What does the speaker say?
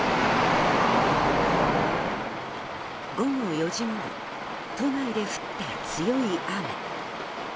午後４時ごろ都内で降った強い雨。